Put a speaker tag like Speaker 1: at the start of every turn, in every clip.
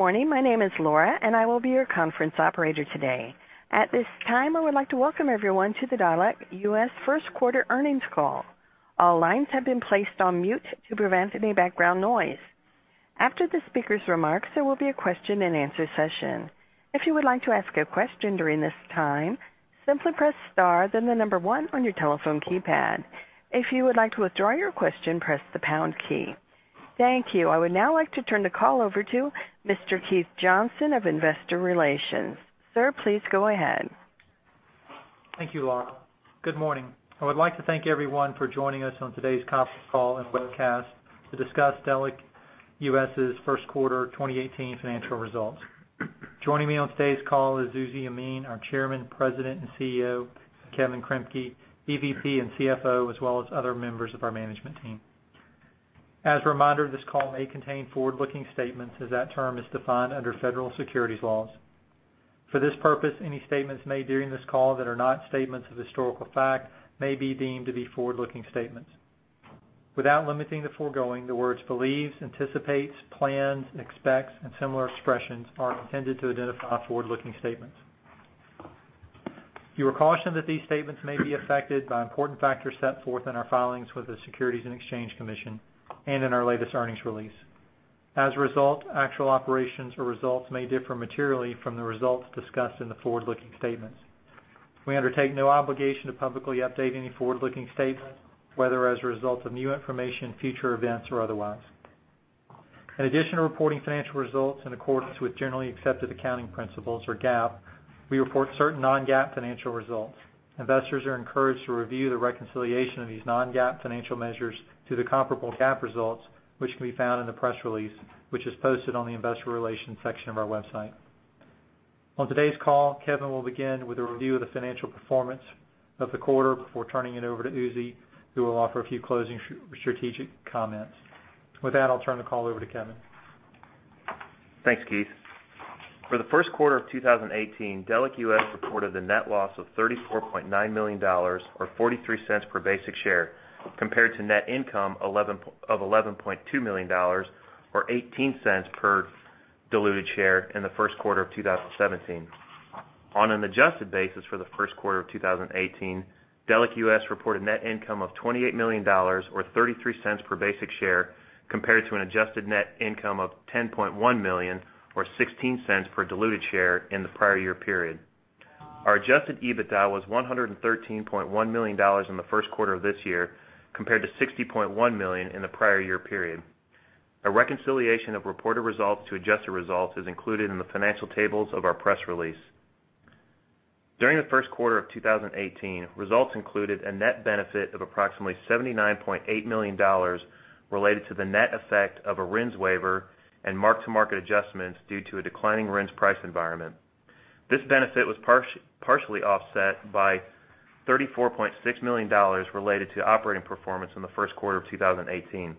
Speaker 1: Morning. My name is Laura, and I will be your conference operator today. At this time, I would like to welcome everyone to the Delek US first quarter earnings call. All lines have been placed on mute to prevent any background noise. After the speaker's remarks, there will be a question and answer session. If you would like to ask a question during this time, simply press star, then the number 1 on your telephone keypad. If you would like to withdraw your question, press the pound key. Thank you. I would now like to turn the call over to Mr. Keith Stanley of Investor Relations. Sir, please go ahead.
Speaker 2: Thank you, Laura. Good morning. I would like to thank everyone for joining us on today's conference call and webcast to discuss Delek US's first quarter 2018 financial results. Joining me on today's call is Uzi Yemin, our chairman, president, and CEO, Kevin Kremke, EVP and CFO, as well as other members of our management team. As a reminder, this call may contain forward-looking statements as that term is defined under federal securities laws. For this purpose, any statements made during this call that are not statements of historical fact may be deemed to be forward-looking statements. Without limiting the foregoing, the words believes, anticipates, plans, expects, and similar expressions are intended to identify forward-looking statements. You are cautioned that these statements may be affected by important factors set forth in our filings with the Securities and Exchange Commission and in our latest earnings release. As a result, actual operations or results may differ materially from the results discussed in the forward-looking statements. We undertake no obligation to publicly update any forward-looking statements, whether as a result of new information, future events, or otherwise. In addition to reporting financial results in accordance with generally accepted accounting principles, or GAAP, we report certain non-GAAP financial results. Investors are encouraged to review the reconciliation of these non-GAAP financial measures to the comparable GAAP results, which can be found in the press release, which is posted on the investor relations section of our website. On today's call, Kevin will begin with a review of the financial performance of the quarter before turning it over to Uzi, who will offer a few closing strategic comments. With that, I'll turn the call over to Kevin.
Speaker 3: Thanks, Keith. For the first quarter of 2018, Delek US reported a net loss of $34.9 million, or $0.43 per basic share, compared to net income of $11.2 million, or $0.18 per diluted share in the first quarter of 2017. On an adjusted basis for the first quarter of 2018, Delek US reported net income of $28 million, or $0.33 per basic share, compared to an adjusted net income of $10.1 million or $0.16 per diluted share in the prior year period. Our adjusted EBITDA was $113.1 million in the first quarter of this year, compared to $60.1 million in the prior year period. A reconciliation of reported results to adjusted results is included in the financial tables of our press release. During the first quarter of 2018, results included a net benefit of approximately $79.8 million related to the net effect of a RINs waiver and mark-to-market adjustments due to a declining RINs price environment. This benefit was partially offset by $34.6 million related to operating performance in the first quarter of 2018.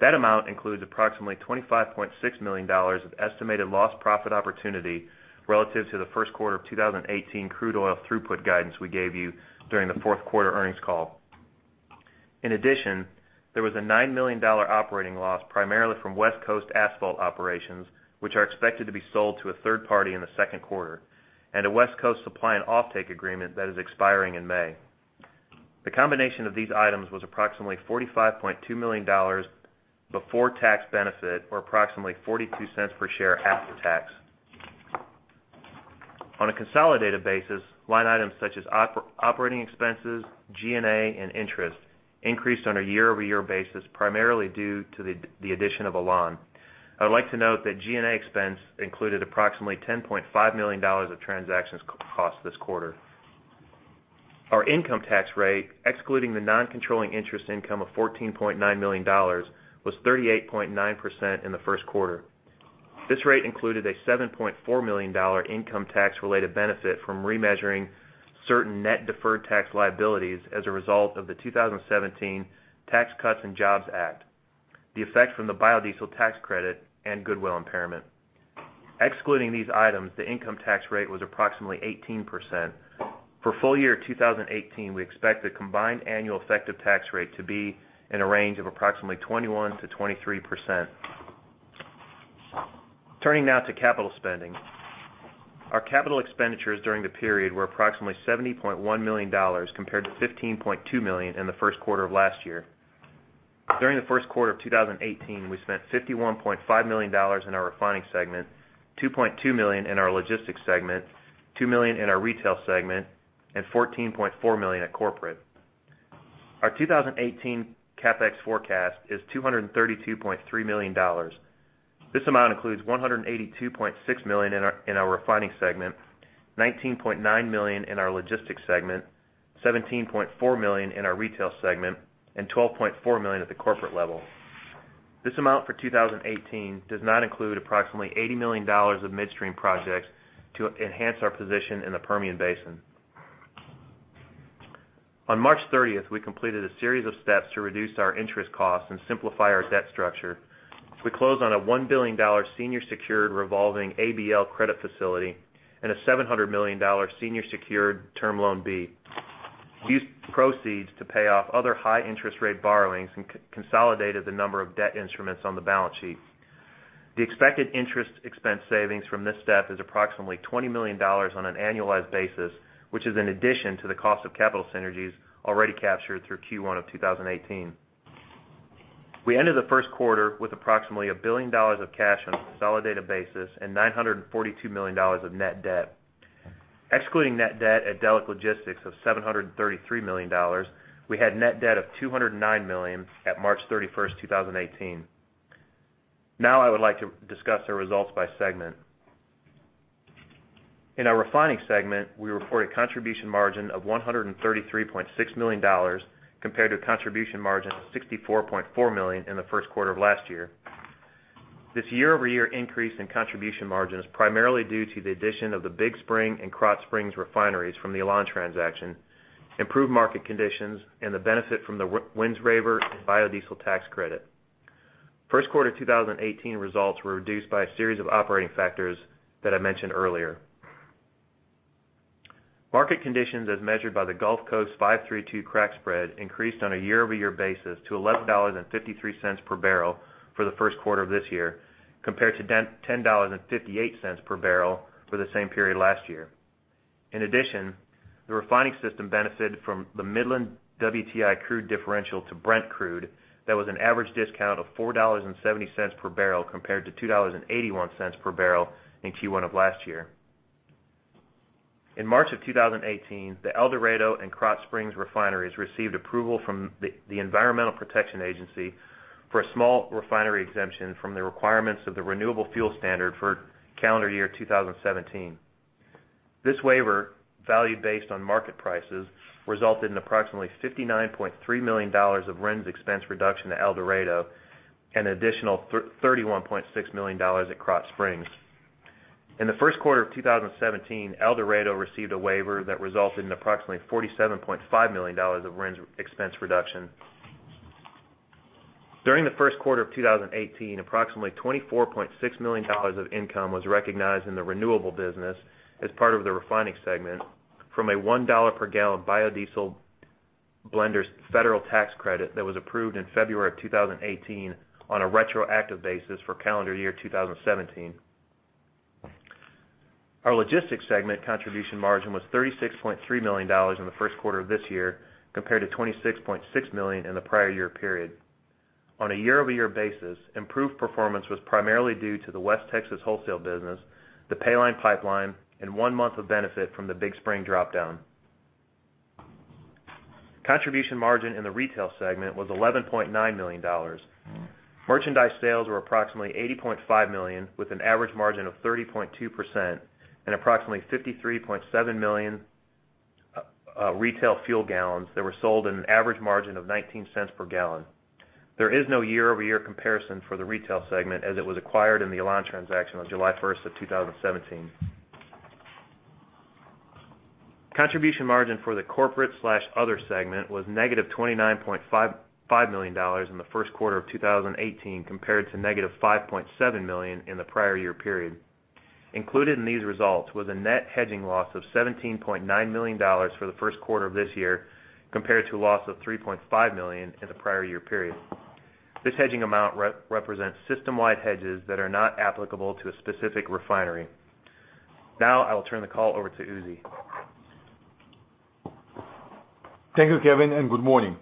Speaker 3: That amount includes approximately $25.6 million of estimated lost profit opportunity relative to the first quarter of 2018 crude oil throughput guidance we gave you during the fourth quarter earnings call. In addition, there was a $9 million operating loss, primarily from West Coast Asphalt Operations, which are expected to be sold to a third party in the second quarter, and a West Coast supply and offtake agreement that is expiring in May. The combination of these items was approximately $45.2 million before tax benefit, or approximately $0.42 per share after tax. On a consolidated basis, line items such as operating expenses, G&A, and interest increased on a year-over-year basis, primarily due to the addition of Alon. I would like to note that G&A expense included approximately $10.5 million of transactions cost this quarter. Our income tax rate, excluding the non-controlling interest income of $14.9 million, was 38.9% in the first quarter. This rate included a $7.4 million income tax-related benefit from remeasuring certain net deferred tax liabilities as a result of the 2017 Tax Cuts and Jobs Act, the effect from the biodiesel tax credit, and goodwill impairment. Excluding these items, the income tax rate was approximately 18%. For full year 2018, we expect the combined annual effective tax rate to be in a range of approximately 21%-23%. Turning now to capital spending. Our capital expenditures during the period were approximately $70.1 million compared to $15.2 million in the first quarter of last year. During the first quarter of 2018, we spent $51.5 million in our refining segment, $2.2 million in our logistics segment, $2 million in our retail segment, and $14.4 million at corporate. Our 2018 CapEx forecast is $232.3 million. This amount includes $182.6 million in our refining segment, $19.9 million in our logistics segment, $17.4 million in our retail segment, and $12.4 million at the corporate level. This amount for 2018 does not include approximately $80 million of midstream projects to enhance our position in the Permian Basin. On March 30th, we completed a series of steps to reduce our interest costs and simplify our debt structure. We closed on a $1 billion senior secured revolving ABL credit facility and a $700 million senior secured Term Loan B. We used the proceeds to pay off other high-interest rate borrowings and consolidated the number of debt instruments on the balance sheet. The expected interest expense savings from this step is approximately $20 million on an annualized basis, which is in addition to the cost of capital synergies already captured through Q1 of 2018. We ended the first quarter with approximately $1 billion of cash on a consolidated basis and $942 million of net debt. Excluding net debt at Delek Logistics of $733 million, we had net debt of $209 million at March 31st, 2018. Now I would like to discuss our results by segment. In our refining segment, we report a contribution margin of $133.6 million compared to a contribution margin of $64.4 million in the first quarter of last year. This year-over-year increase in contribution margin is primarily due to the addition of the Big Spring and Krotz Springs refineries from the Alon transaction, improved market conditions, and the benefit from the RINs waiver and biodiesel tax credit. First quarter 2018 results were reduced by a series of operating factors that I mentioned earlier. Market conditions as measured by the Gulf Coast 5-3-2 crack spread increased on a year-over-year basis to $11.53 per barrel for the first quarter of this year compared to $10.58 per barrel for the same period last year. In addition, the refining system benefited from the Midland WTI crude differential to Brent crude that was an average discount of $4.70 per barrel compared to $2.81 per barrel in Q1 of last year. In March of 2018, the El Dorado and Krotz Springs refineries received approval from the Environmental Protection Agency for a small refinery exemption from the requirements of the Renewable Fuel Standard for calendar year 2017. This waiver, value based on market prices, resulted in approximately $59.3 million of RINs expense reduction to El Dorado and an additional $31.6 million at Krotz Springs. In the first quarter of 2017, El Dorado received a waiver that resulted in approximately $47.5 million of RINs expense reduction. During the first quarter of 2018, approximately $24.6 million of income was recognized in the renewable business as part of the refining segment from a $1 per gallon biodiesel blenders federal tax credit that was approved in February of 2018 on a retroactive basis for calendar year 2017. Our Logistics Segment contribution margin was $36.3 million in the first quarter of this year compared to $26.6 million in the prior year period. On a year-over-year basis, improved performance was primarily due to the West Texas wholesale business, the Paline Pipeline, and one month of benefit from the Big Spring drop down. Contribution margin in the Retail Segment was $11.9 million. Merchandise sales were approximately $80.5 million, with an average margin of 30.2% and approximately 53.7 million retail fuel gallons that were sold in an average margin of $0.19 per gallon. There is no year-over-year comparison for the Retail Segment, as it was acquired in the Alon transaction on July 1st of 2017. Contribution margin for the Corporate/Other Segment was negative $29.5 million in the first quarter of 2018 compared to negative $5.7 million in the prior year period. Included in these results was a net hedging loss of $17.9 million for the first quarter of this year compared to a loss of $3.5 million in the prior year period. This hedging amount represents system-wide hedges that are not applicable to a specific refinery. I will turn the call over to Uzi.
Speaker 4: Thank you, Kevin, and good morning.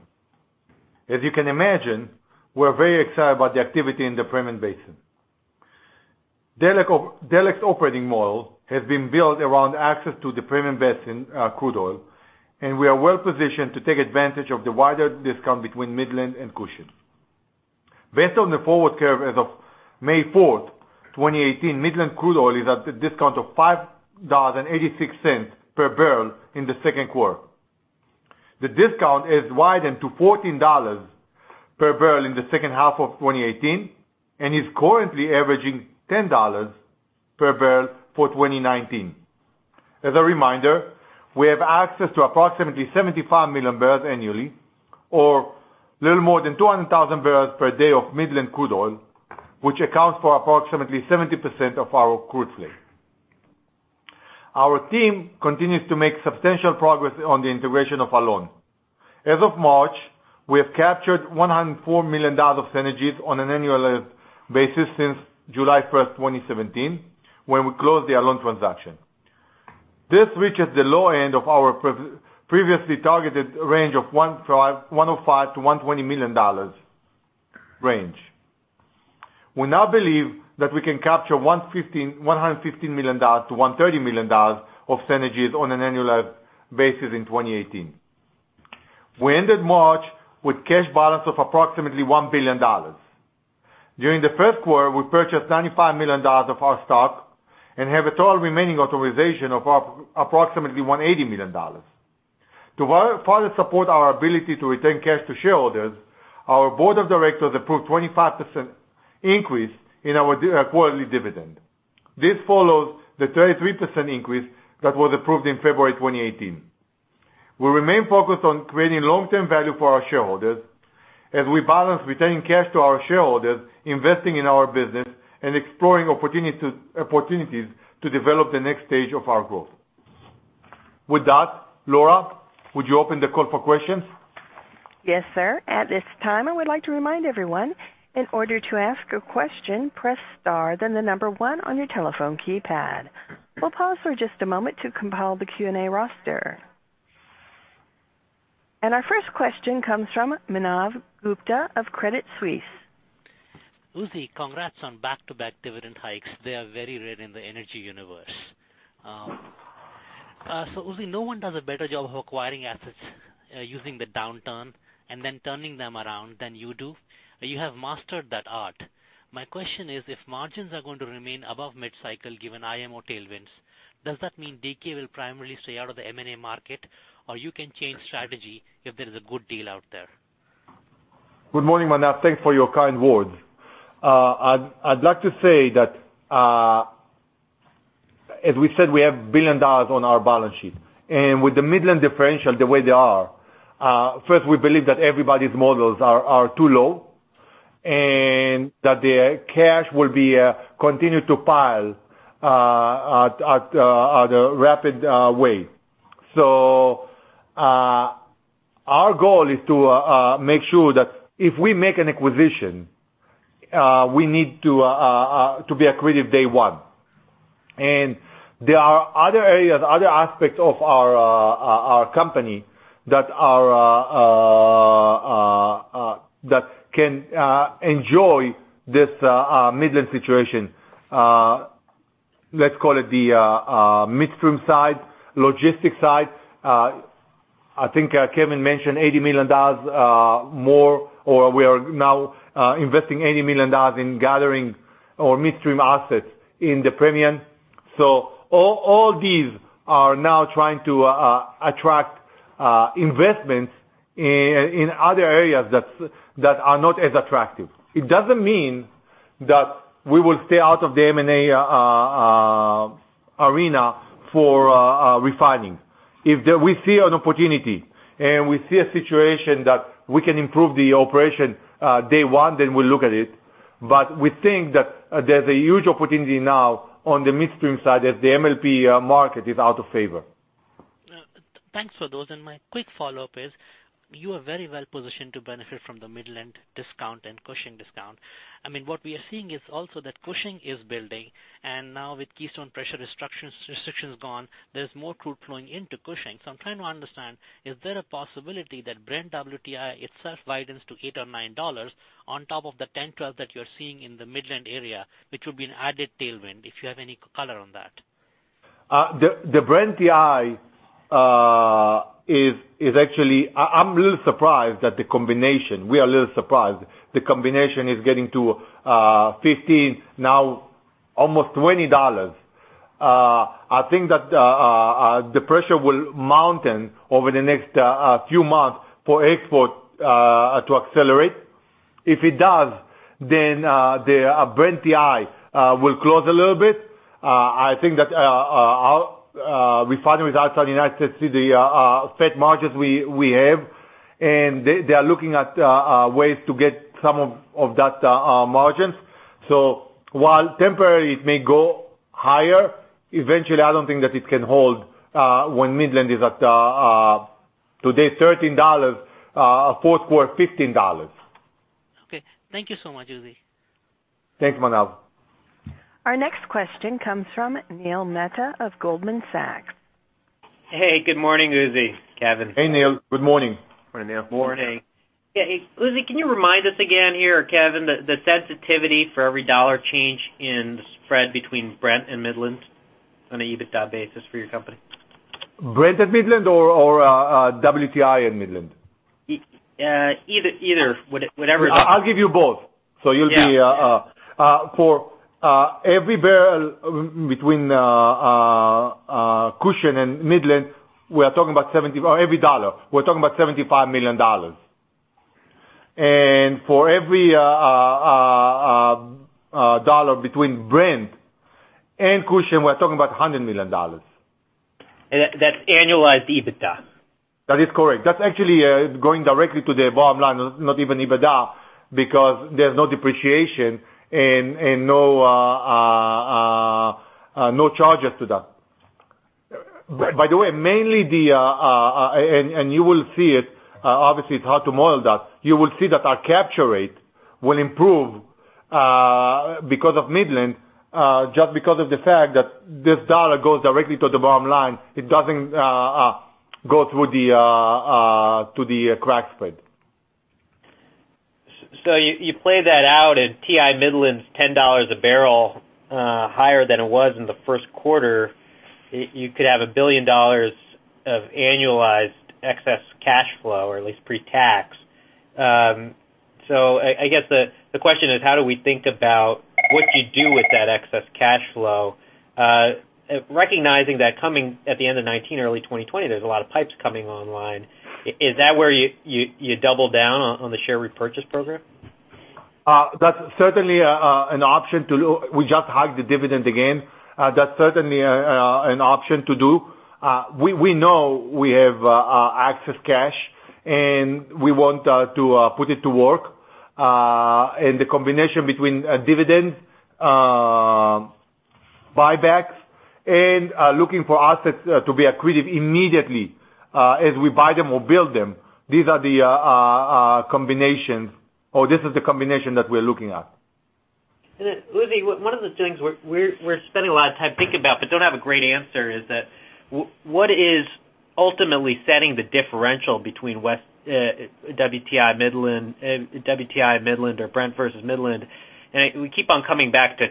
Speaker 4: As you can imagine, we're very excited about the activity in the Permian Basin. Delek operating model has been built around access to the Permian Basin crude oil, and we are well positioned to take advantage of the wider discount between Midland and Cushing. Based on the forward curve as of May 4th, 2018, Midland crude oil is at a discount of $5.86 per barrel in the second quarter. The discount has widened to $14 per barrel in the second half of 2018 and is currently averaging $10 per barrel for 2019. As a reminder, we have access to approximately 75 million barrels annually or a little more than 200,000 barrels per day of Midland crude oil, which accounts for approximately 70% of our crude slate. Our team continues to make substantial progress on the integration of Alon. As of March, we have captured $104 million of synergies on an annualized basis since July 1st, 2017, when we closed the Alon transaction. This reaches the low end of our previously targeted range of $105 million-$120 million. We now believe that we can capture $115 million-$130 million of synergies on an annualized basis in 2018. We ended March with cash balance of approximately $1 billion. During the first quarter, we purchased $95 million of our stock and have a total remaining authorization of approximately $180 million. To further support our ability to return cash to shareholders, our board of directors approved 25% increase in our quarterly dividend. This follows the 33% increase that was approved in February 2018. We remain focused on creating long-term value for our shareholders. As we balance returning cash to our shareholders, investing in our business, and exploring opportunities to develop the next stage of our growth. With that, Laura, would you open the call for questions?
Speaker 1: Yes, sir. At this time, I would like to remind everyone, in order to ask a question, press star then the number 1 on your telephone keypad. We'll pause for just a moment to compile the Q&A roster. Our first question comes from Manav Gupta of Credit Suisse.
Speaker 5: Uzi, congrats on back-to-back dividend hikes. They are very rare in the energy universe. Uzi, no one does a better job of acquiring assets using the downturn and then turning them around than you do. You have mastered that art. My question is if margins are going to remain above mid-cycle, given IMO tailwinds, does that mean DK will primarily stay out of the M&A market, or you can change strategy if there is a good deal out there?
Speaker 4: Good morning, Manav. Thanks for your kind words. I'd like to say that as we said, we have $1 billion on our balance sheet. With the Midland differential the way they are, first, we believe that everybody's models are too low, and that the cash will continue to pile at a rapid way. Our goal is to make sure that if we make an acquisition, we need to be accretive day one. There are other areas, other aspects of our company that can enjoy this Midland situation. Let's call it the midstream side, logistics side. I think Kevin mentioned we are now investing $80 million in gathering or midstream assets in the Permian. All these are now trying to attract investments in other areas that are not as attractive. It doesn't mean that we will stay out of the M&A arena for refining. If we see an opportunity and we see a situation that we can improve the operation day one, then we'll look at it. We think that there's a huge opportunity now on the midstream side as the MLP market is out of favor.
Speaker 5: Thanks for those. My quick follow-up is, you are very well-positioned to benefit from the Midland discount and Cushing discount. What we are seeing is also that Cushing is building, and now with Keystone pressure restrictions gone, there's more crude flowing into Cushing. I'm trying to understand, is there a possibility that Brent WTI itself widens to $8 or $9 on top of the 10, 12 that you're seeing in the Midland area, which will be an added tailwind, if you have any color on that?
Speaker 4: The Brent TI, I'm a little surprised at the combination. We are a little surprised. The combination is getting to $15, now almost $20. I think that the pressure will mount over the next few months for export to accelerate. If it does, the Brent TI will close a little bit. I think that refineries outside the United States see the fat margins we have, and they are looking at ways to get some of that margins. While temporary it may go higher, eventually I don't think that it can hold when Midland is at today's $13, fourth quarter $15.
Speaker 5: Okay. Thank you so much, Uzi.
Speaker 4: Thanks, Manav.
Speaker 1: Our next question comes from Neil Mehta of Goldman Sachs.
Speaker 6: Hey, good morning, Uzi, Kevin.
Speaker 4: Hey, Neil. Good morning.
Speaker 3: Morning, Neil.
Speaker 5: Morning. Yeah. Hey, Uzi, can you remind us again here, Kevin, the sensitivity for every dollar change in the spread between Brent and Midland on a EBITDA basis for your company?
Speaker 4: Brent and Midland or WTI and Midland?
Speaker 6: Either. Whatever.
Speaker 4: I'll give you both.
Speaker 6: Yeah.
Speaker 4: For every barrel between Cushing and Midland, we're talking about every dollar, we're talking about $75 million. For every dollar between Brent and Cushing, we're talking about $100 million.
Speaker 6: That's annualized EBITDA?
Speaker 4: That is correct. That's actually going directly to the bottom line, not even EBITDA, because there's no depreciation and no charges to that. By the way, you will see it, obviously it's hard to model that. You will see that our capture rate will improve because of Midland, just because of the fact that this $1 goes directly to the bottom line. It doesn't go to the crack spread.
Speaker 6: You play that out at WTI Midland $10 a barrel higher than it was in the first quarter, you could have $1 billion of annualized excess cash flow, or at least pre-tax. I guess the question is how do we think about what you do with that excess cash flow, recognizing that coming at the end of 2019, early 2020, there's a lot of pipes coming online. Is that where you double down on the share repurchase program?
Speaker 4: That's certainly an option to look. We just hiked the dividend again. That's certainly an option to do. We know we have access to cash, and we want to put it to work. The combination between dividends, buybacks, and looking for assets to be accreted immediately as we buy them or build them, these are the combinations, or this is the combination that we're looking at.
Speaker 6: Uzi, one of the things we're spending a lot of time thinking about but don't have a great answer is that what is ultimately setting the differential between WTI Midland or Brent versus Midland? We keep on coming back to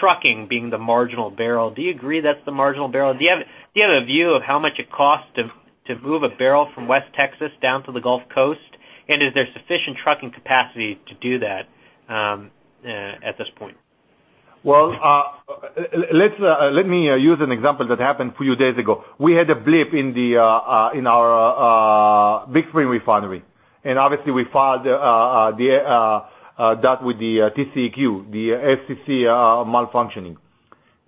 Speaker 6: trucking being the marginal barrel. Do you agree that's the marginal barrel? Do you have a view of how much it costs to move a barrel from West Texas down to the Gulf Coast? Is there sufficient trucking capacity to do that at this point?
Speaker 4: Well, let me use an example that happened a few days ago. We had a blip in our Big Spring refinery. Obviously we filed that with the TCEQ, the FCC malfunctioning.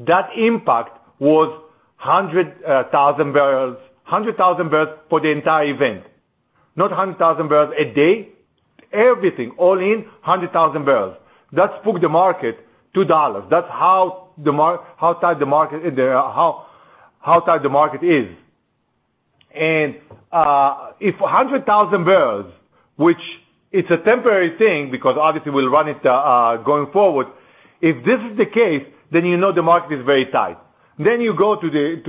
Speaker 4: That impact was 100,000 barrels for the entire event. Not 100,000 barrels a day. Everything, all in, 100,000 barrels. That spooked the market $2. That's how tight the market is. If 100,000 barrels, which it's a temporary thing because obviously we'll run it going forward, if this is the case, then you know the market is very tight. You go to the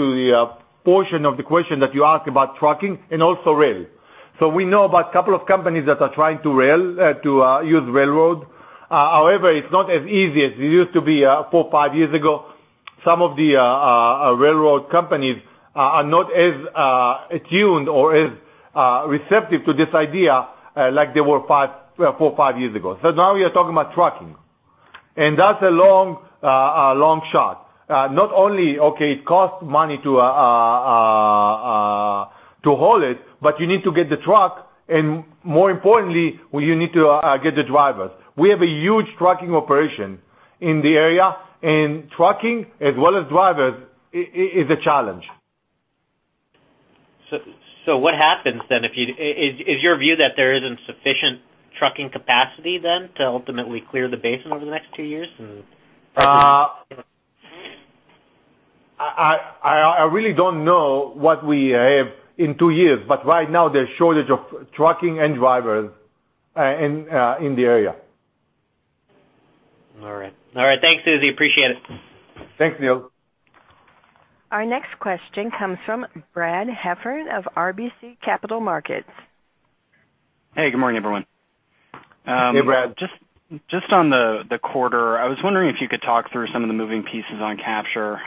Speaker 4: portion of the question that you ask about trucking and also rail. We know about a couple of companies that are trying to use railroad. However, it's not as easy as it used to be four, five years ago. Some of the railroad companies are not as attuned or as receptive to this idea like they were four or five years ago. Now we are talking about trucking, and that's a long shot. Not only, okay, it costs money to haul it, but you need to get the truck, and more importantly, you need to get the drivers. We have a huge trucking operation in the area, and trucking as well as drivers is a challenge.
Speaker 6: What happens then? Is your view that there isn't sufficient trucking capacity then to ultimately clear the basin over the next two years?
Speaker 4: I really don't know what we have in two years, but right now there's shortage of trucking and drivers in the area.
Speaker 6: All right. Thanks, Uzi. Appreciate it.
Speaker 4: Thanks, Neil.
Speaker 1: Our next question comes from Brad Heffern of RBC Capital Markets.
Speaker 7: Hey, good morning, everyone.
Speaker 4: Hey, Brad.
Speaker 7: On the quarter, I was wondering if you could talk through some of the moving pieces on capture.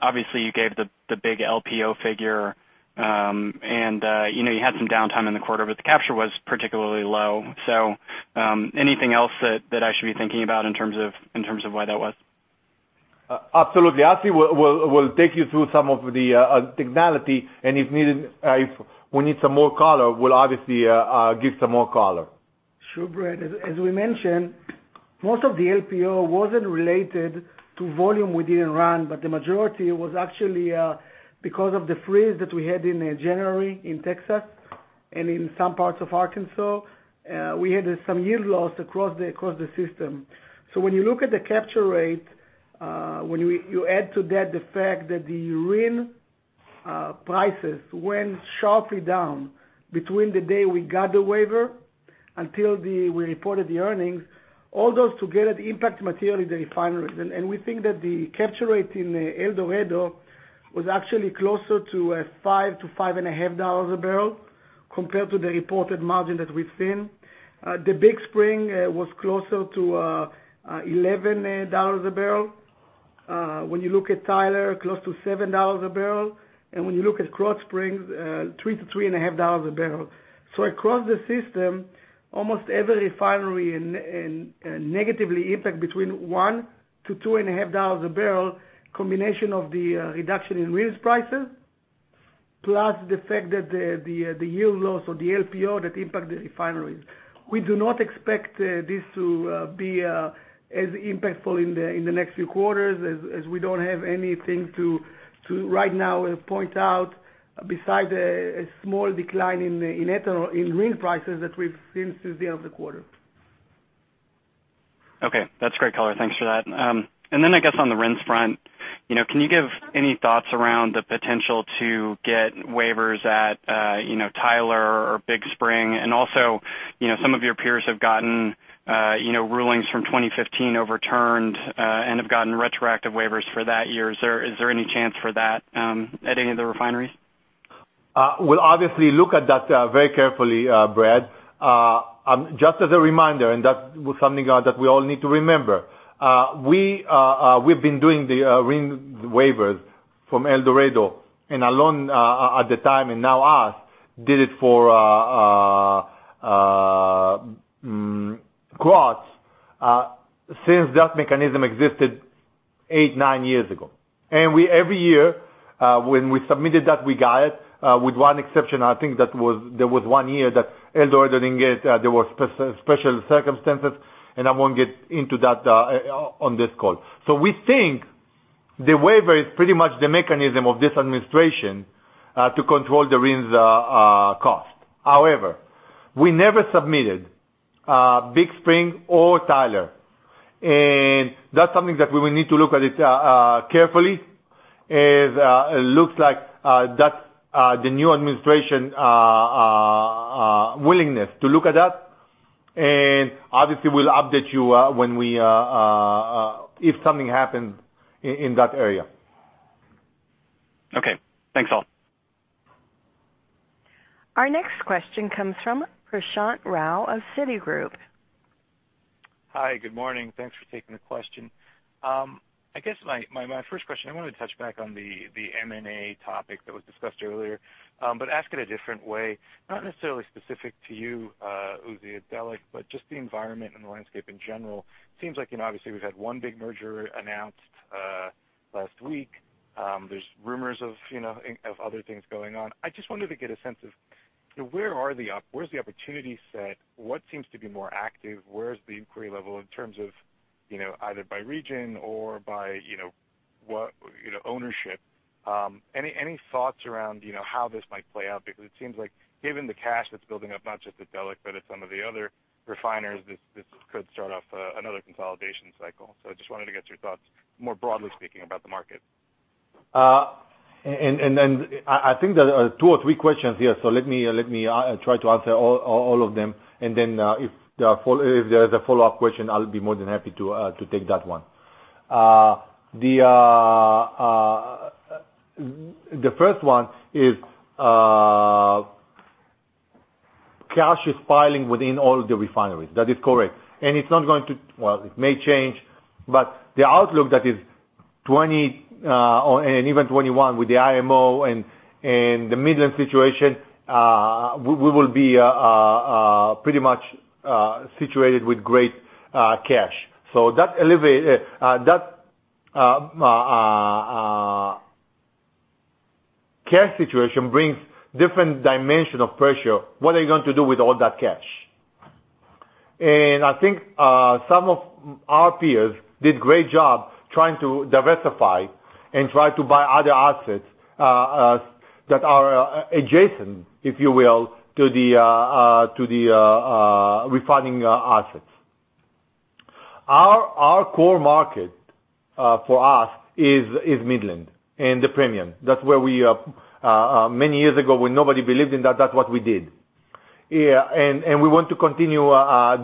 Speaker 7: Obviously, you gave the big LPO figure. You had some downtime in the quarter, but the capture was particularly low. Anything else that I should be thinking about in terms of why that was?
Speaker 4: Absolutely. Assi will take you through some of the technicality, and if we need some more color, we will obviously give some more color.
Speaker 8: Sure, Brad. As we mentioned, most of the LPO wasn't related to volume we didn't run, but the majority was actually because of the freeze that we had in January in Texas and in some parts of Arkansas. We had some yield loss across the system. When you look at the capture rate, when you add to that the fact that the RINs prices went sharply down between the day we got the waiver until we reported the earnings, all those together impact materially the refineries. We think that the capture rate in El Dorado was actually closer to $5-$5.5 a barrel compared to the reported margin that we've seen. The Big Spring was closer to $11 a barrel. When you look at Tyler, close to $7 a barrel. When you look at Krotz Springs, $3-$3.5 a barrel. Across the system, almost every refinery negatively impact between $1 and $2.5 a barrel, combination of the reduction in RINs prices, plus the fact that the yield loss or the LPO that impact the refineries. We do not expect this to be as impactful in the next few quarters, as we don't have anything to right now point out besides a small decline in RINs prices that we've seen since the end of the quarter.
Speaker 7: Okay. That's great color. Thanks for that. I guess on the RINs front, can you give any thoughts around the potential to get waivers at Tyler or Big Spring? Also, some of your peers have gotten rulings from 2015 overturned and have gotten retroactive waivers for that year. Is there any chance for that at any of the refineries?
Speaker 4: We'll obviously look at that very carefully, Brad. Just as a reminder, that was something that we all need to remember. We've been doing the RINs waivers from El Dorado and Alon at the time, and now us, did it for Krotz since that mechanism existed eight, nine years ago. Every year, when we submitted that, we got it, with one exception. I think there was one year that El Dorado didn't get, there was special circumstances, and I won't get into that on this call. We think the waiver is pretty much the mechanism of this administration to control the RINs cost. However, we never submitted Big Spring or Tyler, and that's something that we will need to look at it carefully. It looks like that's the new administration willingness to look at that. Obviously, we'll update you if something happens in that area.
Speaker 7: Okay. Thanks all.
Speaker 1: Our next question comes from Prashant Rao of Citigroup.
Speaker 9: Hi. Good morning. Thanks for taking the question. I guess my first question, I wanted to touch back on the M&A topic that was discussed earlier, but ask it a different way, not necessarily specific to you, Uzi or Delek, but just the environment and the landscape in general. Seems like, obviously we've had one big merger announced last week. There's rumors of other things going on. I just wanted to get a sense of where's the opportunity set? What seems to be more active? Where's the inquiry level in terms of either by region or by ownership? Any thoughts around how this might play out? Because it seems like given the cash that's building up, not just at Delek, but at some of the other refiners, this could start off another consolidation cycle. I just wanted to get your thoughts more broadly speaking about the market.
Speaker 4: I think there are two or three questions here, let me try to answer all of them, and then if there's a follow-up question, I'll be more than happy to take that one. The first one is cash is piling within all the refineries. That is correct. Well, it may change, but the outlook that is 2020, and even 2021 with the IMO and the Midland situation, we will be pretty much situated with great cash. That cash situation brings different dimension of pressure. What are you going to do with all that cash? I think some of our peers did great job trying to diversify and try to buy other assets that are adjacent, if you will, to the refining assets. Our core market for us is Midland and the premium. That's where we many years ago, when nobody believed in that's what we did. We want to continue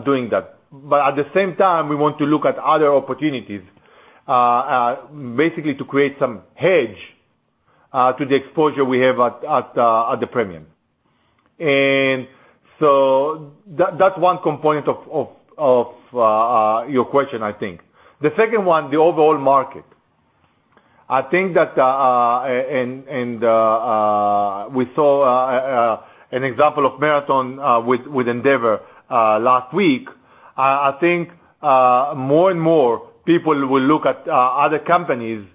Speaker 4: doing that. At the same time, we want to look at other opportunities, basically to create some hedge to the exposure we have at the premium. That's one component of your question, I think. The second one, the overall market. I think that we saw an example of Marathon with Andeavor last week. I think more and more people will look at other companies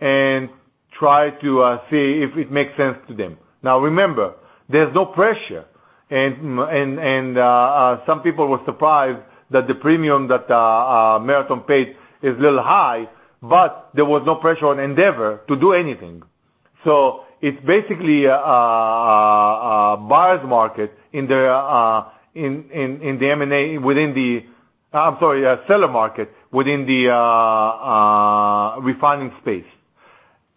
Speaker 4: and try to see if it makes sense to them. Remember, there's no pressure, and some people were surprised that the premium that Marathon paid is a little high, but there was no pressure on Andeavor to do anything. It's basically a buyer's market in the M&A within the I'm sorry, a seller market within the refining space.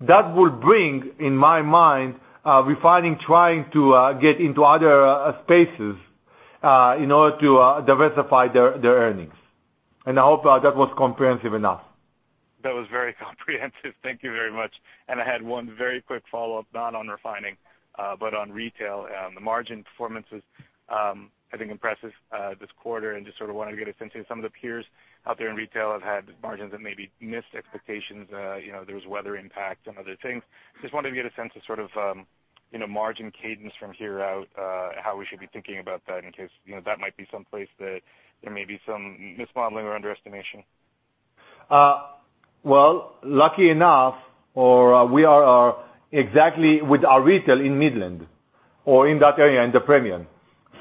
Speaker 4: That will bring, in my mind, refining trying to get into other spaces in order to diversify their earnings. I hope that was comprehensive enough.
Speaker 9: That was very comprehensive. Thank you very much. I had one very quick follow-up, not on refining, but on retail. The margin performance was I think impressive this quarter, just sort of wanted to get a sense of some of the peers out there in retail have had margins that maybe missed expectations. There was weather impact and other things. Just wanted to get a sense of sort of margin cadence from here out, how we should be thinking about that in case that might be some place that there may be some mismodeling or underestimation.
Speaker 4: Lucky enough, or we are exactly with our retail in Midland or in that area in the premium.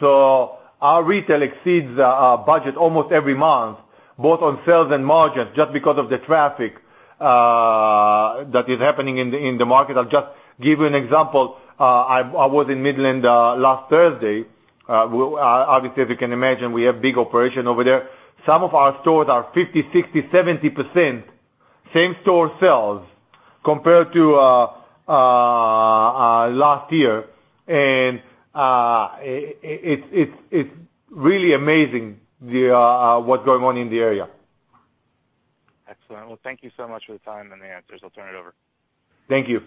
Speaker 4: Our retail exceeds our budget almost every month, both on sales and margins, just because of the traffic that is happening in the market. I'll just give you an example. I was in Midland last Thursday. Obviously, as you can imagine, we have big operation over there. Some of our stores are 50%, 60%, 70% same store sales compared to last year. It's really amazing what's going on in the area.
Speaker 9: Excellent. Well, thank you so much for the time and the answers. I'll turn it over.
Speaker 4: Thank you.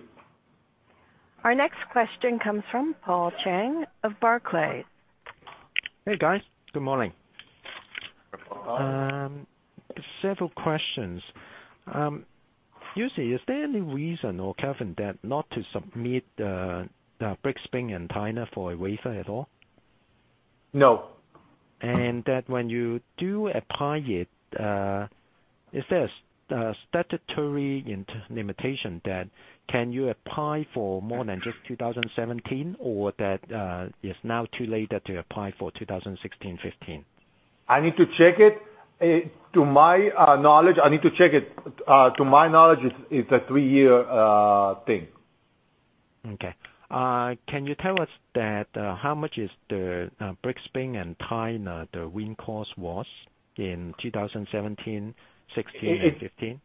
Speaker 1: Our next question comes from Paul Cheng of Barclays.
Speaker 10: Hey, guys. Good morning.
Speaker 4: Hi.
Speaker 10: Several questions. Uzi, is there any reason, or Kevin, that not to submit Big Spring and Tyler for a waiver at all?
Speaker 4: No.
Speaker 10: That when you do apply it says statutory limitation that can you apply for more than just 2017 or that it's now too late to apply for 2016, 2015?
Speaker 4: I need to check it. To my knowledge, it's a three-year thing.
Speaker 10: Okay. Can you tell us that how much is the Big Spring and Tyler the RIN cost was in 2017, 2016, and 2015?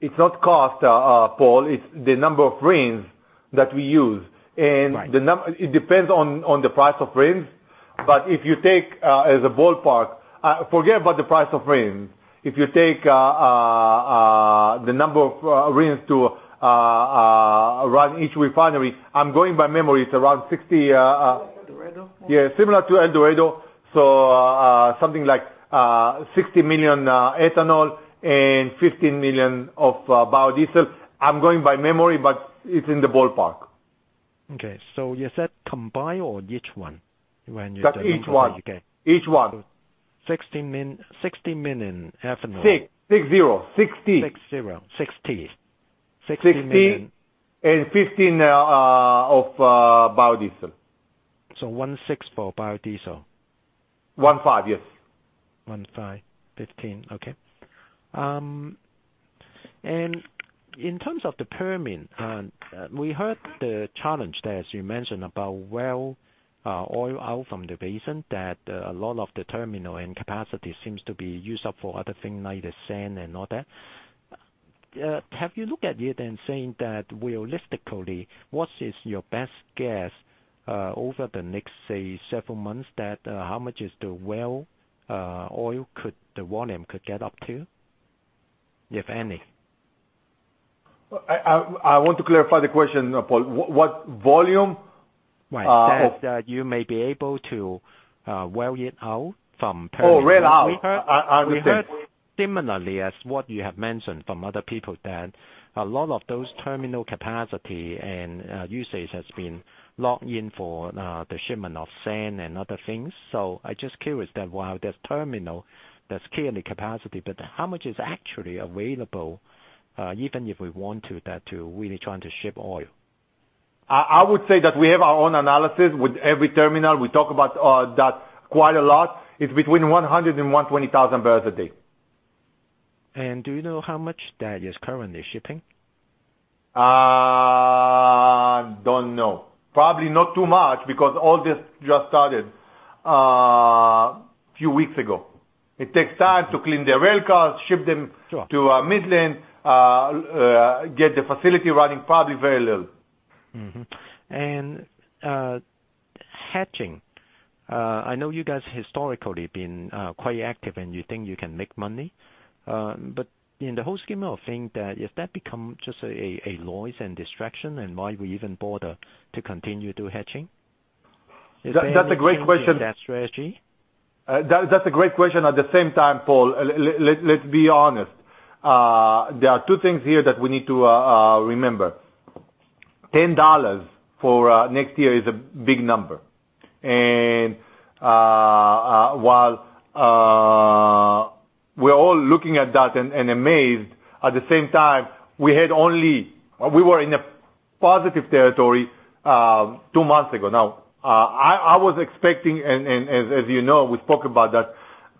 Speaker 4: It's not cost, Paul. It's the number of RINs that we use.
Speaker 10: Right.
Speaker 4: It depends on the price of RINs. If you take, as a ballpark, forget about the price of RINs. If you take the number of RINs to run each refinery, I'm going by memory, it's around 60-
Speaker 2: Like El Dorado more or less.
Speaker 4: Yeah, similar to El Dorado. Something like 60 million ethanol and 15 million of biodiesel. I'm going by memory, but it's in the ballpark.
Speaker 10: Okay. You said combined or each one when you say?
Speaker 4: That's each one. Each one.
Speaker 10: 60 million ethanol.
Speaker 4: Six, six zero. 60.
Speaker 10: 60. 60. $60 million.
Speaker 4: 60 and 15 of biodiesel.
Speaker 10: 16 for biodiesel.
Speaker 4: 15. Yes.
Speaker 10: 15. 15. Okay. In terms of the Permian, we heard the challenge there, as you mentioned, about rail oil out from the basin that a lot of the terminal and capacity seems to be used up for other things like the sand and all that. Have you looked at it and saying that realistically, what is your best guess over the next, say, several months that how much is the well oil could the volume could get up to, if any?
Speaker 4: I want to clarify the question, Paul. What volume?
Speaker 10: Right. That you may be able to rail it out from Permian.
Speaker 4: Oh, rail it out.
Speaker 10: We heard similarly as what you have mentioned from other people that a lot of those terminal capacity and usage has been locked in for the shipment of sand and other things. I just curious that while there's terminal, there's clearly capacity, but how much is actually available, even if we want to that to really trying to ship oil?
Speaker 4: I would say that we have our own analysis with every terminal. We talk about that quite a lot. It's between 100,000 and 120,000 barrels a day.
Speaker 10: Do you know how much that is currently shipping?
Speaker 4: Don't know. Probably not too much because all this just started few weeks ago. It takes time to clean the rail cars, ship them.
Speaker 10: Sure
Speaker 4: to Midland, get the facility running. Probably very little.
Speaker 10: Mm-hmm. Hedging. I know you guys historically been quite active, and you think you can make money. In the whole scheme of things that if that become just a noise and distraction and why we even bother to continue to do hedging?
Speaker 4: That's a great question.
Speaker 10: Is there anything to that strategy?
Speaker 4: That's a great question. At the same time, Paul, let's be honest. There are 2 things here that we need to remember. $10 for next year is a big number. While we're all looking at that and amazed, at the same time, we were in a positive territory 2 months ago. I was expecting, and as you know, we spoke about that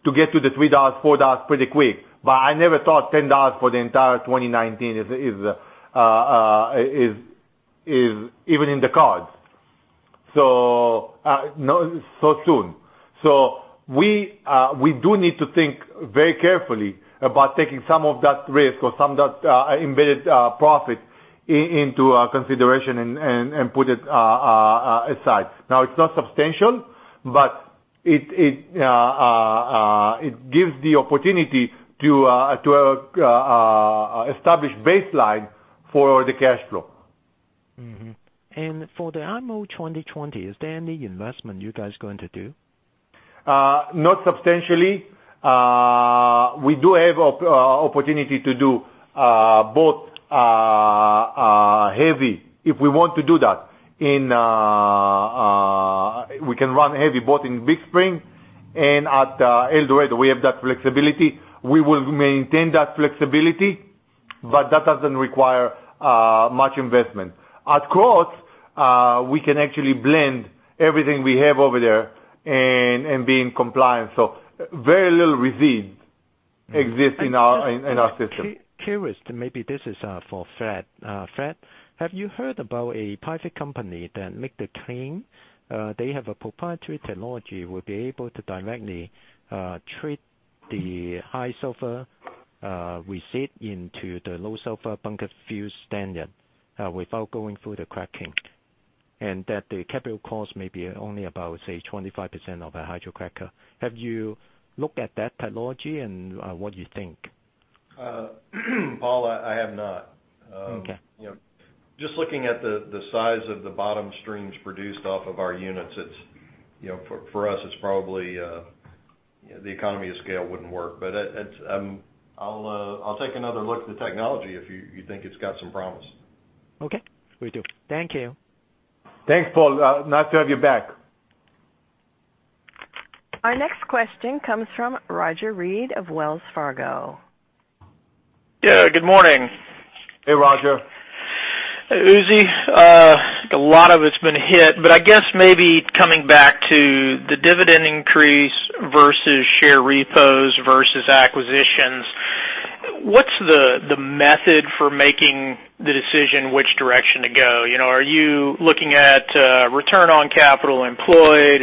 Speaker 4: to get to the $3, $4 pretty quick. I never thought $10 for the entire 2019 is even in the cards so soon. We do need to think very carefully about taking some of that risk or some of that embedded profit into consideration and put it aside. Now, it's not substantial, but it gives the opportunity to establish baseline for the cash flow.
Speaker 10: For the IMO 2020, is there any investment you guys going to do?
Speaker 4: Not substantially. We do have opportunity to do both heavy, if we want to do that. We can run heavy both in Big Spring and at El Dorado. We have that flexibility. We will maintain that flexibility, but that doesn't require much investment. At Krotz, we can actually blend everything we have over there and be in compliance. Very little resid exists in our system.
Speaker 10: I'm just curious, maybe this is for Fred. Fred, have you heard about a private company that make the claim? They have a proprietary technology, will be able to directly treat the high sulfur resid into the low sulfur bunker fuel standard without going through the cracking, and that the capital cost may be only about, say, 25% of a hydrocracker. Have you looked at that technology and what you think?
Speaker 11: Paul, I have not.
Speaker 10: Okay.
Speaker 11: Just looking at the size of the bottom streams produced off of our units, for us, it's probably The economy of scale wouldn't work. I'll take another look at the technology if you think it's got some promise.
Speaker 10: Okay. Will do. Thank you.
Speaker 4: Thanks, Paul. Nice to have you back.
Speaker 1: Our next question comes from Roger Read of Wells Fargo.
Speaker 12: Yeah. Good morning.
Speaker 4: Hey, Roger.
Speaker 12: Uzi, a lot of it's been hit. I guess maybe coming back to the dividend increase versus share repos versus acquisitions, what's the method for making the decision which direction to go? Are you looking at return on capital employed?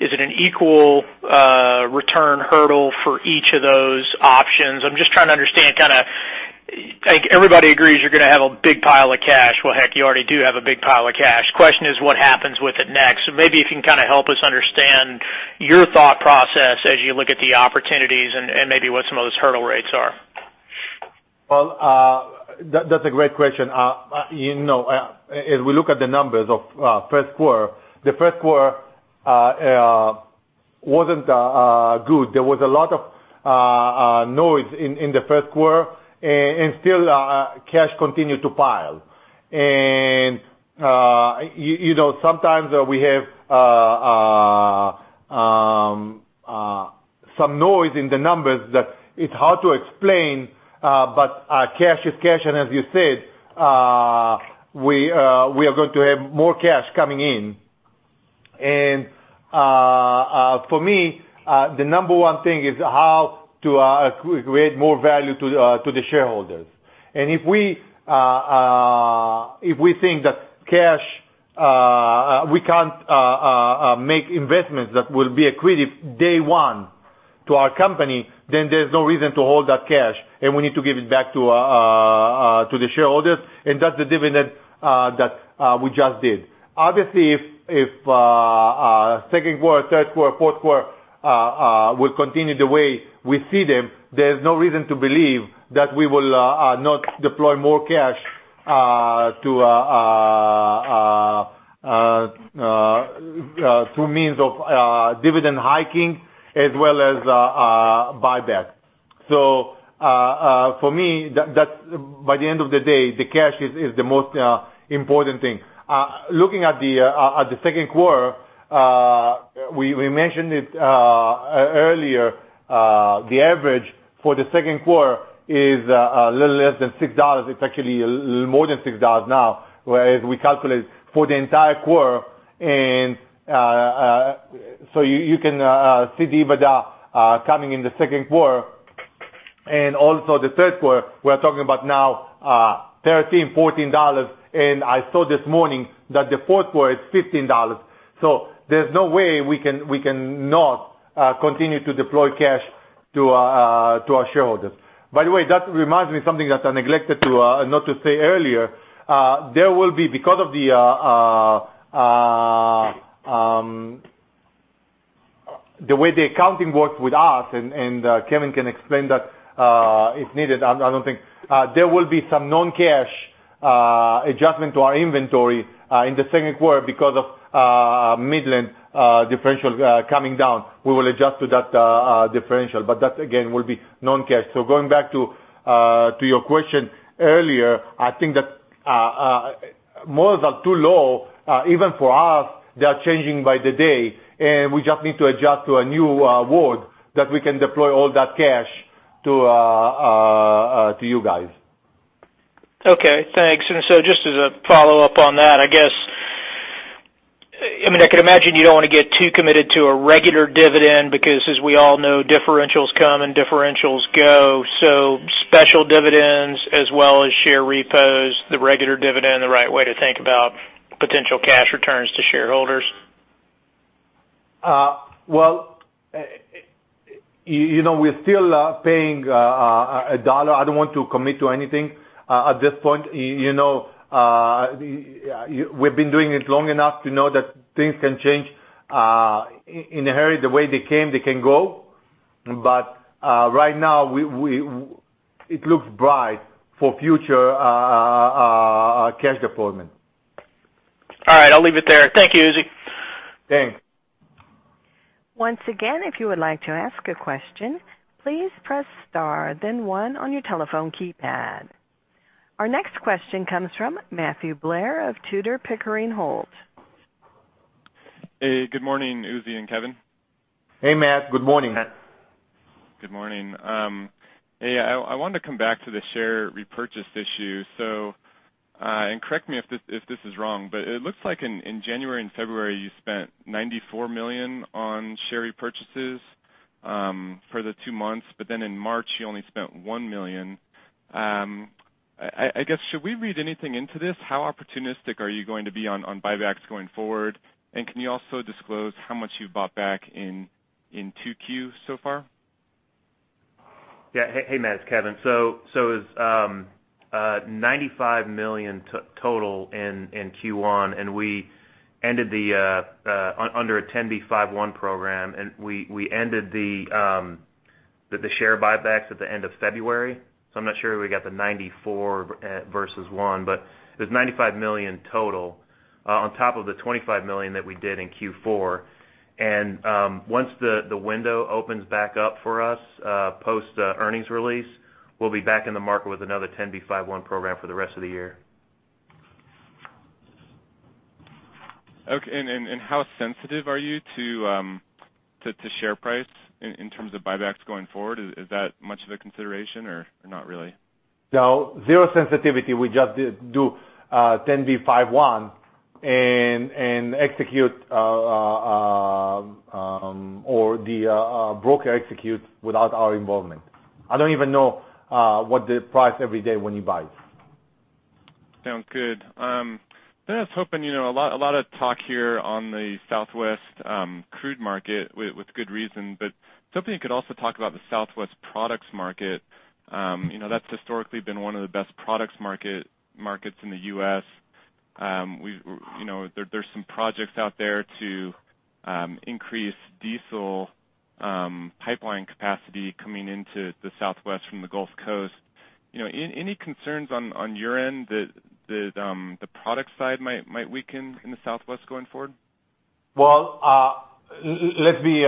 Speaker 12: Is it an equal return hurdle for each of those options? I'm just trying to understand. Everybody agrees you're going to have a big pile of cash. Heck, you already do have a big pile of cash. Question is what happens with it next? Maybe if you can help us understand your thought process as you look at the opportunities and maybe what some of those hurdle rates are.
Speaker 4: That's a great question. As we look at the numbers of first quarter, the first quarter wasn't good. There was a lot of noise in the first quarter, still cash continued to pile. Sometimes we have some noise in the numbers that it's hard to explain, but cash is cash, as you said, we are going to have more cash coming in. For me, the number one thing is how to create more value to the shareholders. If we think that we can't make investments that will be accretive day one to our company, then there's no reason to hold that cash, and we need to give it back to the shareholders, and that's the dividend that we just did. Obviously, if our second quarter, third quarter, fourth quarter will continue the way we see them, there's no reason to believe that we will not deploy more cash through means of dividend hiking as well as buyback. For me, by the end of the day, the cash is the most important thing. Looking at the second quarter, we mentioned it earlier, the average for the second quarter is a little less than $6. It's actually more than $6 now whereas we calculate for the entire quarter. You can see the EBITDA coming in the second quarter and also the third quarter. We're talking about now $13, $14, and I saw this morning that the fourth quarter is $15. There's no way we can not continue to deploy cash to our shareholders. By the way, that reminds me something that I neglected not to say earlier. Because of the way the accounting works with us, Kevin can explain that if needed, I don't think. There will be some non-cash adjustment to our inventory in the second quarter because of Midland differential coming down. We will adjust to that differential, but that, again, will be non-cash. Going back to your question earlier, I think that models are too low. Even for us, they are changing by the day, we just need to adjust to a new world that we can deploy all that cash to you guys.
Speaker 12: Okay, thanks. Just as a follow-up on that, I guess, I could imagine you don't want to get too committed to a regular dividend because as we all know, differentials come and differentials go. Special dividends as well as share repos, the regular dividend are the right way to think about potential cash returns to shareholders.
Speaker 4: Well, we're still paying $1. I don't want to commit to anything at this point. We've been doing it long enough to know that things can change in a hurry. The way they came, they can go. Right now, it looks bright for future cash deployment.
Speaker 12: All right, I'll leave it there. Thank you, Uzi.
Speaker 4: Thanks.
Speaker 1: Once again, if you would like to ask a question, please press star then one on your telephone keypad. Our next question comes from Matthew Blair of Tudor, Pickering, Holt.
Speaker 13: Hey, good morning, Uzi and Kevin.
Speaker 4: Hey, Matt. Good morning.
Speaker 13: Good morning. Correct me if this is wrong, it looks like in January and February, you spent $94 million on share repurchases for the two months, then in March, you only spent $1 million. I guess, should we read anything into this? How opportunistic are you going to be on buybacks going forward? Can you also disclose how much you've bought back in 2Q so far?
Speaker 3: Yeah. Hey, Matt, it's Kevin. It was $95 million total in Q1, under a 10b5-1 program, we ended the share buybacks at the end of February. I'm not sure we got the 94 versus 1, there's $95 million total on top of the $25 million that we did in Q4. Once the window opens back up for us, post earnings release, we'll be back in the market with another 10b5-1 program for the rest of the year.
Speaker 13: Okay. How sensitive are you to share price in terms of buybacks going forward? Is that much of a consideration or not really?
Speaker 4: Zero sensitivity. We just do 10b5-1 and execute or the broker executes without our involvement. I don't even know what the price every day when he buys.
Speaker 13: Sounds good. I was hoping, a lot of talk here on the Southwest crude market with good reason, but something you could also talk about the Southwest products market. That's historically been one of the best products markets in the U.S. There's some projects out there to increase diesel pipeline capacity coming into the Southwest from the Gulf Coast. Any concerns on your end that the product side might weaken in the Southwest going forward?
Speaker 4: Let's be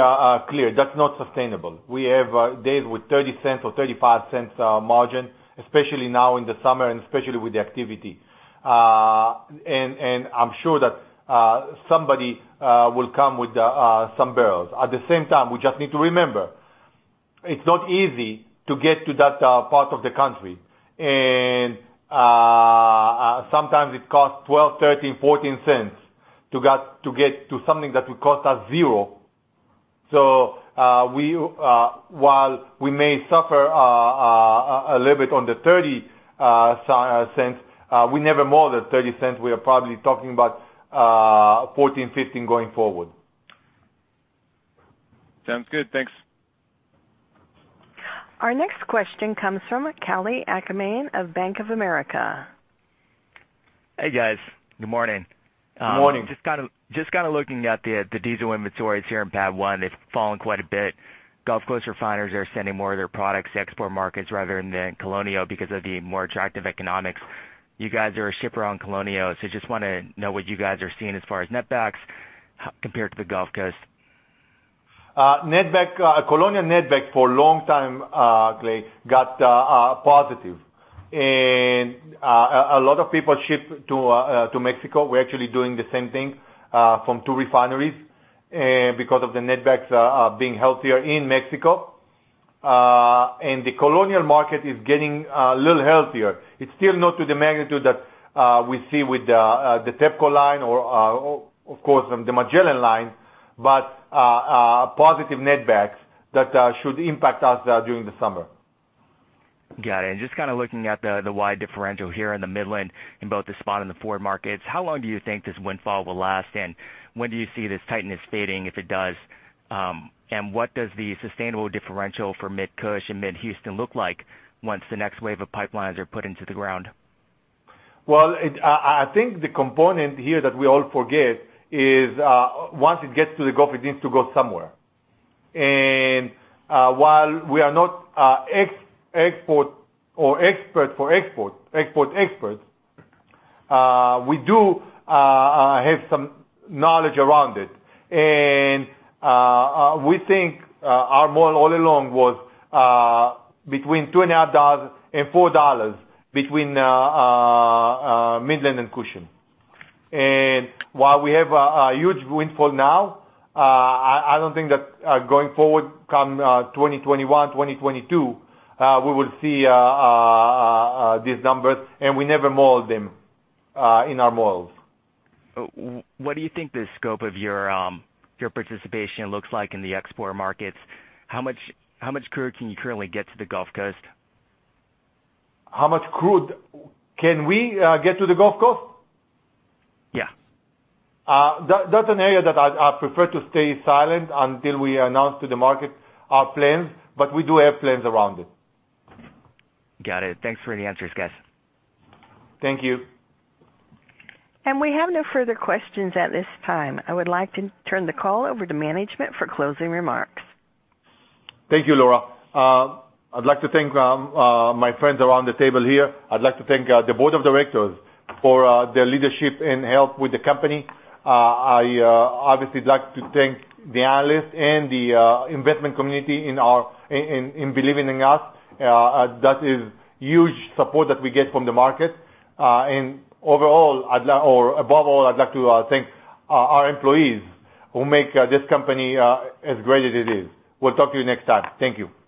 Speaker 4: clear. That's not sustainable. We have days with $0.30 or $0.35 margin, especially now in the summer and especially with the activity. I'm sure that somebody will come with some barrels. At the same time, we just need to remember, it's not easy to get to that part of the country. Sometimes it costs $0.12, $0.13, $0.14 to get to something that will cost us zero. While we may suffer a little bit on the $0.30, we never lose more than $0.30. We are probably talking about 14, 15 going forward.
Speaker 13: Sounds good. Thanks.
Speaker 1: Our next question comes from Kaleem Akhter of Bank of America.
Speaker 14: Hey, guys. Good morning.
Speaker 4: Good morning.
Speaker 14: Just looking at the diesel inventories here in PADD 1, it's fallen quite a bit. Gulf Coast refiners are sending more of their products to export markets rather than Colonial because of the more attractive economics. You guys are a shipper on Colonial. Just want to know what you guys are seeing as far as netbacks compared to the Gulf Coast.
Speaker 4: Colonial netback for a long time, Kaleem, got positive. A lot of people ship to Mexico. We're actually doing the same thing from two refineries because of the netbacks being healthier in Mexico. The Colonial market is getting a little healthier. It's still not to the magnitude that we see with the TEPPCO line or, of course, from the Magellan line, but positive netbacks that should impact us during the summer.
Speaker 14: Got it. Just looking at the wide differential here in the Midland in both the spot and the forward markets, how long do you think this windfall will last, and when do you see this tightness fading if it does? What does the sustainable differential for Mid-Cush and Mid Houston look like once the next wave of pipelines are put into the ground?
Speaker 4: I think the component here that we all forget is, once it gets to the Gulf, it needs to go somewhere. While we are not export experts, we do have some knowledge around it. We think our model all along was between $2.5-$4 between Midland and Cushing. While we have a huge windfall now, I don't think that going forward come 2021, 2022, we will see these numbers, and we never modeled them in our models.
Speaker 14: What do you think the scope of your participation looks like in the export markets? How much crude can you currently get to the Gulf Coast?
Speaker 4: How much crude can we get to the Gulf Coast?
Speaker 14: Yeah.
Speaker 4: That's an area that I prefer to stay silent until we announce to the market our plans, but we do have plans around it.
Speaker 14: Got it. Thanks for the answers, guys.
Speaker 4: Thank you.
Speaker 1: We have no further questions at this time. I would like to turn the call over to management for closing remarks.
Speaker 4: Thank you, Laura. I'd like to thank my friends around the table here. I'd like to thank the board of directors for their leadership and help with the company. I obviously like to thank the analysts and the investment community in believing in us. That is huge support that we get from the market. Above all, I'd like to thank our employees who make this company as great as it is. We'll talk to you next time. Thank you.